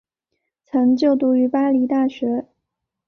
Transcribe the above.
曾就读于巴黎大学。